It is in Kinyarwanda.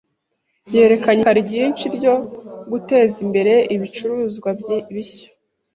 Yerekanye ishyaka ryinshi ryo guteza imbere ibicuruzwa bishya.